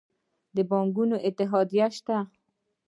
د بانکونو اتحادیه شته؟